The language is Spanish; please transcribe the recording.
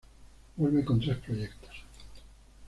Vuelve en con tres proyectos.